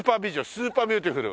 スーパービューティフル。